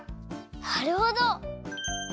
なるほど。